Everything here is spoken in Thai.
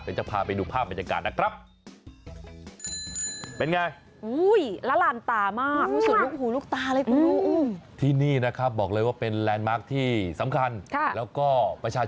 จะพาไปดูภาพบรรยากาศนะครับ